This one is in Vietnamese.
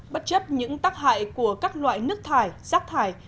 bất chấp những tác hại của các loại nước thải rác thải